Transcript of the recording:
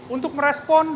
untuk merespon dan